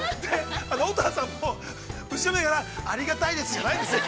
乙葉さんも、後ろ見ながら「ありがたいです」じゃないんですよ。